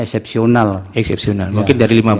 esepsional mungkin dari lima belas